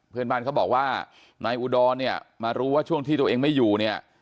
เพื่อนบ้านเขาบอกว่านายอุดรเนี่ยมารู้ว่าช่วงที่ตัวเองไม่อยู่เนี่ย